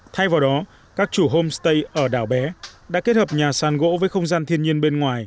thay vào đó các chủ homestay ở đảo bé đã kết hợp nhà sàn gỗ với không gian thiên nhiên bên ngoài